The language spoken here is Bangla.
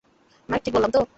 মার্ক, ঠিক বললাম তো?